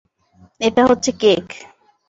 এটা হচ্ছে কেক।